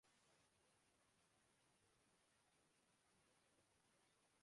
دیکھو یہاں بستر لگادو